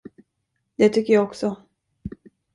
Det tycker jag också.